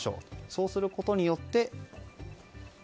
そうすることによって４．３％